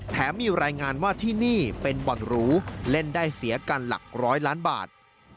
มีรายงานว่าที่นี่เป็นบ่อนหรูเล่นได้เสียกันหลักร้อยล้านบาท